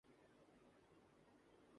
انہیں اس اہم کام کے لیے آمادہ کرنا ہو گا